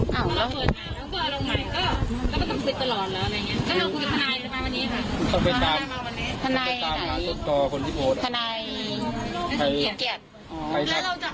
การทกศสถาบัติการเงิน